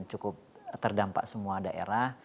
dan cukup terdampak semua daerah